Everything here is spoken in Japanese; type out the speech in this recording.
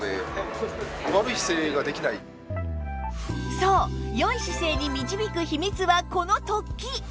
そう良い姿勢に導く秘密はこの突起